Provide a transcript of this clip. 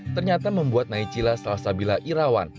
ternyata membuat naicila salasabila irawan